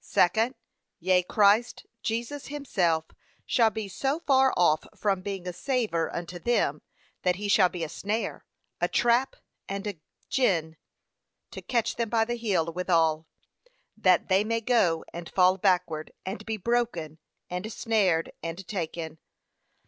Second, Yea Christ Jesus himself shall be so far off from being a savour unto them, that he shall be a snare, a trap and a gin to catch them by the heel withal; that they may go and fall backward, and be broken, and snared, and taken.'